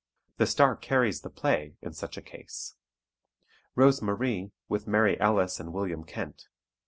The star carries the play, in such a case. "Rose Marie, with Mary Ellis and William Kent."